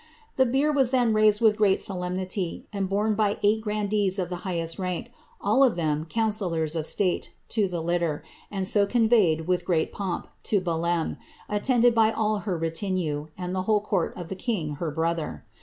The bier led with great solemnity, and borne by eight grandees of the , all of them councillors of state, to the litter, and so con ^reat pomp, to Belem, attended by all her retinue, and the of the king, her brother.